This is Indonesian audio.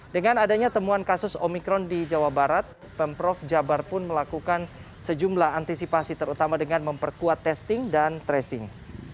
dengan adanya temuan kasus omikron di jawa barat pemprov jabar pun melakukan sejumlah antisipasi terutama dengan memperkuat testing dan tracing